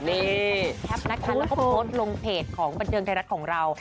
นี่แคปนะคะแล้วก็โพสต์ลงเพจของบันเทิงไทยรัฐของเรา